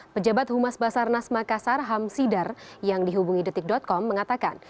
pejabat humas basarnas makassar ham sidar yang dihubungi detik com mengatakan